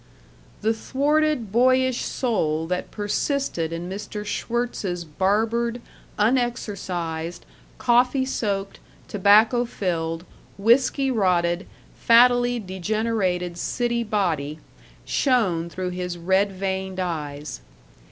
The thwarted boyish soul that persisted in Mr. Schwirtz's barbered, unexercised, coffee soaked, tobacco filled, whisky rotted, fattily degenerated city body shone through his red veined eyes.